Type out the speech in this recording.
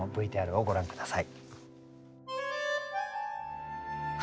ＶＴＲをご覧下さい。